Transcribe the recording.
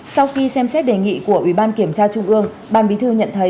sau khi xem xét đề nghị của ủy ban kiểm tra trung ương ban bí thư nhận thấy